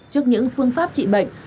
trước những phương pháp trị bệnh